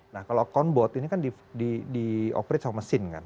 nah kalau account bot ini kan dioperate sama mesin kan